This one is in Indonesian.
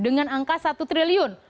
dengan angka satu triliun